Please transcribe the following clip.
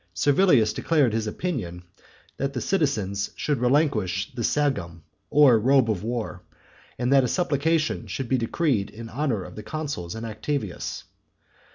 Servilius declared his opinion that the citizens should relinquish the sagum, or robe of war; and that a supplication should be decreed in honour of the consuls and Octavius.